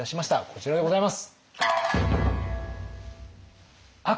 こちらでございます。